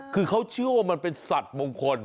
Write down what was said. คือเขาเชื่อว่ามันเป็นสัตว์มงคล